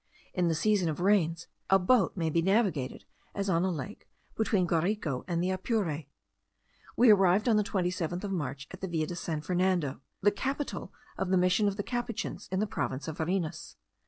In the season of rains, a boat may be navigated, as on a lake, between the Guarico and the Apure. We arrived on the 27th of March at the Villa de San Fernando, the capital of the Mission of the Capuchins in the province of Varinas.